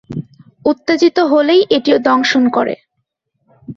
উত্তেজিত হলেই এটি দংশন করে।